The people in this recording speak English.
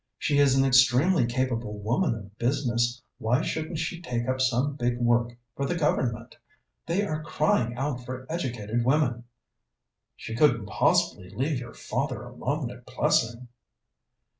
"She is an extremely capable woman of business; why shouldn't she take up some big work for the Government? They are crying out for educated women." "She couldn't possibly leave your father alone at Plessing."